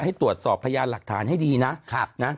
ให้ตรวจสอบพยานหลักฐานให้ดีนะ